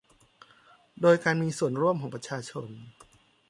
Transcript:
โดยการมีส่วนร่วมของประชาชน